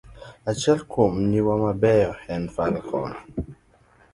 Achiel kuom manyiwa mabeyo en Falcon